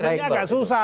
komitmennya agak susah